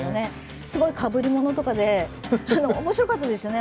すごいかぶり物とかで、おもしろかったですよね。